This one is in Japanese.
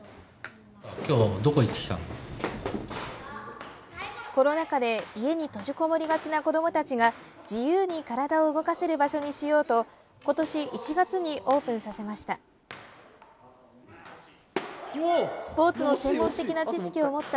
コロナ禍で家に閉じこもりがちな子どもたちが自由に体を動かせる場所にしようと今年１月にオープンさせました。